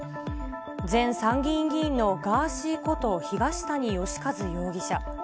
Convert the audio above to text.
前参議院議員のガーシーこと、東谷義和容疑者。